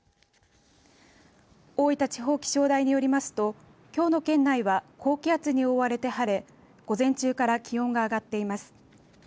大分地方気象台によりますときょうの県内は高気圧に覆われて晴れ午前中から気温が上がっています。